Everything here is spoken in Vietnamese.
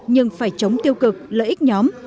đừng phải chống tiêu cực lợi ích nhóm